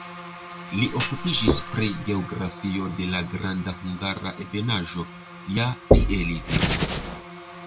Li okupiĝis pri geografio de la Granda Hungara Ebenaĵo (ja tie li vivis).